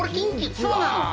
そうなの。